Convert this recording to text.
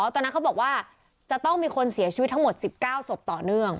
ตอนนั้นเขาบอกว่าจะต้องมีคนเสียชีวิตทั้งหมด๑๙ศพต่อเนื่อง